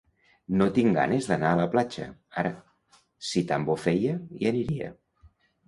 No tinc ganes d'anar a la platja; ara, si tan bo feia, hi aniria.